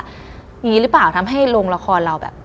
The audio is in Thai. อย่างนี้หรือเปล่าทำให้โรงละครเราแบบ